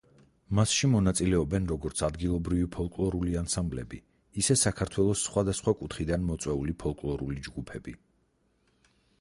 მასში მონაწილეობენ როგორც ადგილობრივი ფოლკლორული ანსამბლები, ისე საქართველოს სხვადასხვა კუთხიდან მოწვეული ფოლკლორული ჯგუფები.